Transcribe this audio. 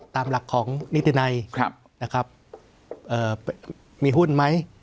ตามหลักของนิตินัยนะครับมีหุ้นไหม